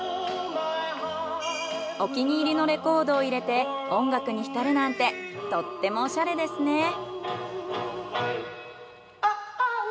お気に入りのレコードを入れて音楽に浸るなんてとってもおしゃれですね。